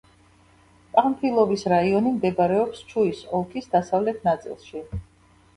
პანფილოვის რაიონი მდებარეობს ჩუის ოლქის დასავლეთ ნაწილში.